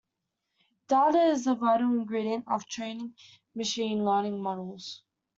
Data is a vital ingredient of training machine learning models.